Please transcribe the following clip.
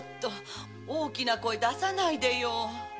大きな声出さないでよ。